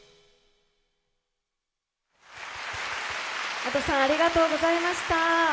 Ａｄｏさんありがとうございました。